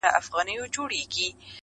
په دې جنګ يې پلار مړ دی -